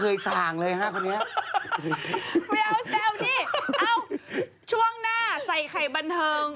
เอ้าช่วงหน้าใส่ไข่บันเทิง